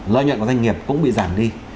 lợi nhuận của doanh nghiệp cũng bị giảm đi